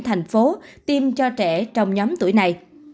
thành phố tiêm cho trẻ trong nhóm tuổi này